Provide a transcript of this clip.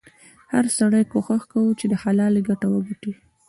هر سړي کوښښ کاوه چې د حلالې ګټه وګټي.